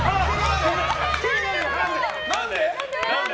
何で？